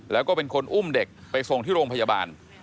แล้วก็เป็นคนอุ้มเด็กไปส่งที่โรงพยาบาล